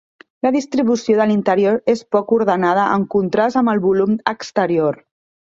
La distribució de l'interior és poc ordenada en contrast amb el volum exterior.